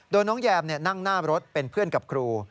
โดยน้องแยมนั่งหน้ารถเป็นเพื่อนกับครู